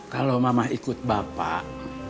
kalau mama ikut bapak